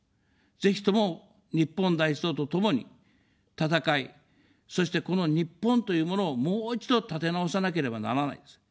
ぜひとも日本第一党と共に戦い、そしてこの日本というものを、もう一度立て直さなければならないんです。